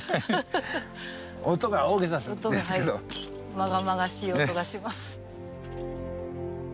まがまがしい音がします。